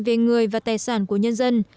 về người và tài sản của nhân dân